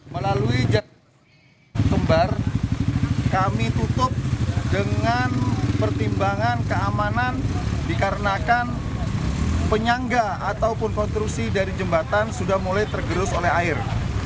melalui jalan kembar kami tutup dengan pertimbangan keamanan dikarenakan penyangga ataupun konstruksi dari jembatan sudah mulai tergerus oleh air